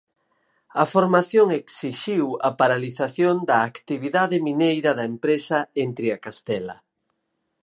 A formación esixiu a paralización da actividade mineira da empresa en Triacastela.